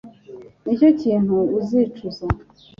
nicyo kintu uzicuza